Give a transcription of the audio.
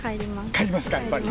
帰りますか、やっぱり。